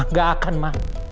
nggak akan ma